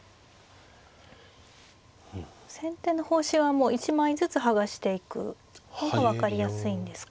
先手の方針はもう１枚ずつ剥がしていく方が分かりやすいんですか？